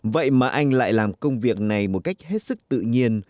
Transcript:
vậy mà anh lại làm công việc này một cách hết sức tự nhiên